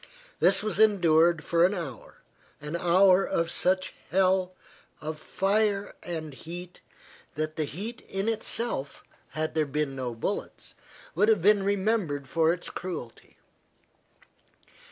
This was endured for an hour, an hour of such hell of fire and heat, that the heat in itself, had there been no bullets, would have been remembered for its cruelty.